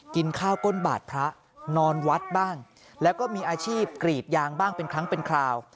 กินข้าวก้นบาทพระนอนวัดบ้างแล้วก็มีอาชีพกรีดยางบ้างเป็นครั้งเป็นคราว